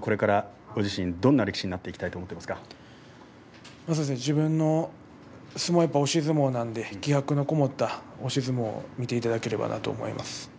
これからご自身どんな力士になっていきたいと自分の相撲、押し相撲なので気迫のこもった押し相撲を見ていただければなと思います。